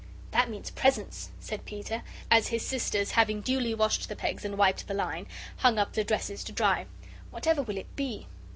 That means presents," said Peter, as his sisters, having duly washed the pegs and wiped the line, hung up the dresses to dry. "Whatever will it be?"